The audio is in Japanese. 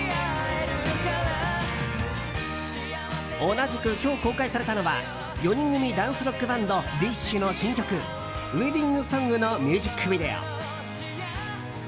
同じく、今日公開されたのは４人組ダンスロックバンドＤＩＳＨ／／の新曲「ウェディングソング」のミュージックビデオ。